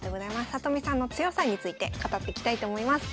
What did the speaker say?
里見さんの強さについて語っていきたいと思います。